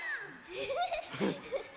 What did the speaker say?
フフフフ。